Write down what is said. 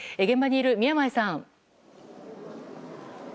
現場にいる、宮前さん。